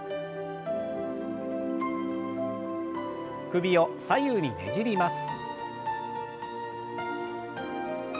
首を左右にねじります。